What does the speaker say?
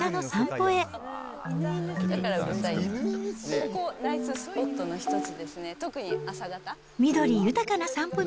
ここ、ナイススポットの一つですね、特に朝方。